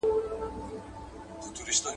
د زور ياري، د خره سپارکي ده.